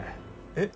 えっ？